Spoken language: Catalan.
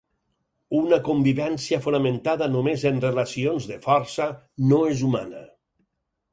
Una convivència fonamentada només en relacions de força, no és humana.